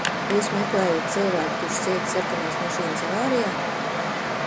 Jūs meklējat cilvēku, kurš cieta sarkanās mašīnas avārijā?